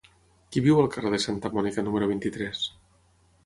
Qui viu al carrer de Santa Mònica número vint-i-tres?